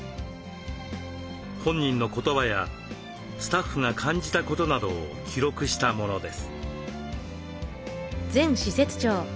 本人の言葉やスタッフが感じたことなどを記録したものです。